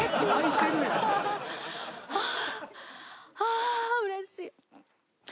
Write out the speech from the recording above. あうれしい。